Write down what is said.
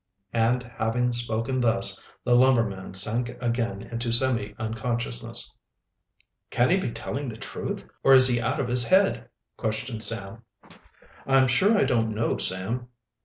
And having spoken thus, the lumberman sank again into semi unconsciousness. "Can he be telling the truth, or is he out of his head?" questioned Sam. "I'm sure I don't know, Sam."